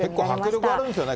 結構迫力あるんですよね。